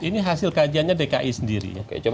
ini hasil kajiannya dki sendiri